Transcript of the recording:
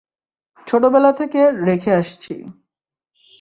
ছোটবেলা থেকে রেখে আসছি।